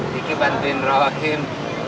diki bantuin rohim